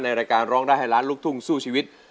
รายการร้องได้ให้ล้านลูกทุ่งสู้ชีวิต